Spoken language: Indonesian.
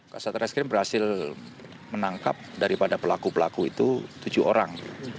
kasat reskrim berhasil menangkap daripada pelaku pelaku itu tujuh orang